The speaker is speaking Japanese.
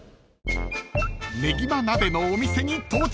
［ねぎま鍋のお店に到着］